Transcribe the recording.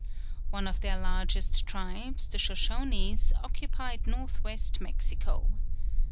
One of their largest tribes, the Shoshonees, occupied North West Mexico.